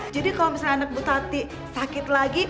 jadi kalau misalnya anak ibu tati sakit lagi